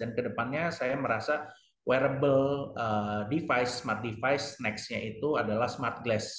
dan kedepannya saya merasa wearable device smart device nextnya itu adalah smart glass